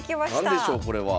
何でしょうこれは。